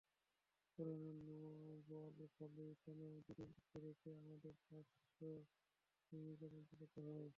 পরে বোয়ালখালী থানায় দুদিন আটকে রেখে আমাদের পাশবিক নির্যাতন চালানো হয়।